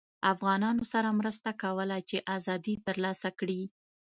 افغانانوسره مرسته کوله چې ازادي ترلاسه کړي